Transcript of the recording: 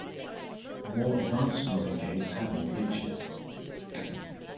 More advanced noise gates have more features.